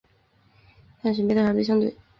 探寻被调查对象对。